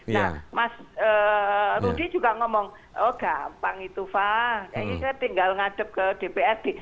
nah mas rudy juga ngomong oh gampang itu pak ini saya tinggal ngadep ke dprd